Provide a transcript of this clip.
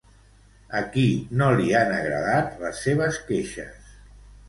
A qui no li han agradat les seves queixes?